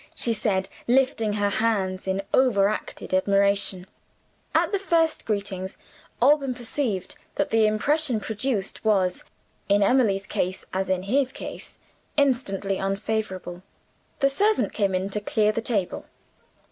she said, lifting her hands in over acted admiration. At the first greetings, Alban perceived that the impression produced was, in Emily's case as in his case, instantly unfavorable. The servant came in to clear the table.